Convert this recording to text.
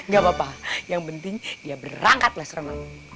ga apa apa yang penting dia berangkat les renang